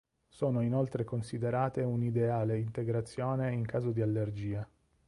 Sono inoltre considerate un ideale integrazione in caso di allergia.